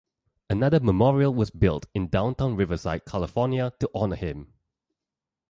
Another memorial was built in downtown Riverside, California to honor him.